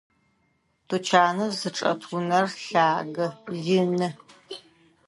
Тучаныр зычӏэт унэр лъагэ, ины.